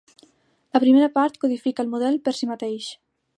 La primera part codifica el model per si mateix.